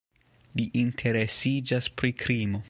Li interesiĝas pri krimo.